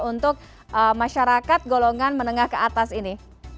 untuk masyarakat golongan menengah ke atas ini